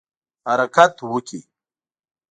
حرکت وکړي.